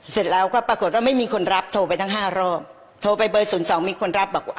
เสร็จแล้วก็ปรากฏว่าไม่มีคนรับโทรไปทั้งห้ารอบโทรไปเบอร์ศูนย์สองมีคนรับบอกว่า